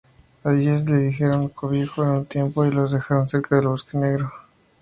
Allí les dieron cobijo un tiempo y los dejaron cerca del Bosque Negro.